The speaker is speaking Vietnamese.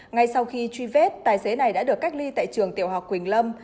ngay sau khi truy vết tài xế này đã được cách ly tại trường tiểu học quỳnh lâm